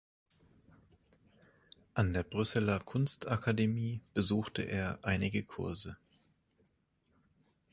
An der Brüsseler Kunstakademie besuchte er einige Kurse.